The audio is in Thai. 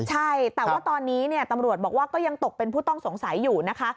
ใช่แต่ว่าตอนนี้ตำรวจบอกว่าก็ยังตกเป็นผู้ต้องสงสัยอยู่นะคะ